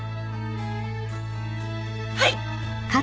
はい。